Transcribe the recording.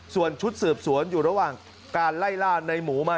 ส่วนชุดสืบสวนอยู่ระหว่างการไล่ล่าในหมูมา